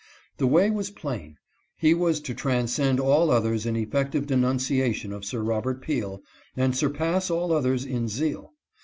The way was plain. He was to transcend all others in effective denunciation of Sir Robert Peel, and surpass all others in zeal.